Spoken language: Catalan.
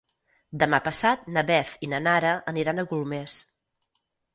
Demà passat na Beth i na Nara aniran a Golmés.